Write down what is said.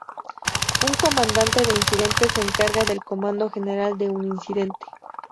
Un comandante de incidentes se encarga del comando general de un incidente.